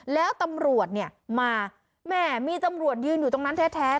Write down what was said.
แล้วตำรวจเนี่ยมาแม่มีตำรวจยืนอยู่ตรงนั้นแท้